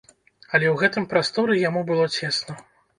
Але ў гэтым прасторы яму было цесна.